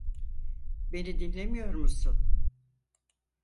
Beni dinlemiyor musun?